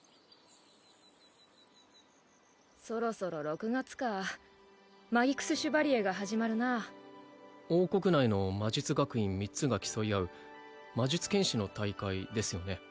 そろそろ６月かマギクス・シュバリエが始まるな王国内の魔術学院３つが競い合う魔術剣士の大会ですよね？